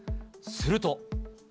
すると。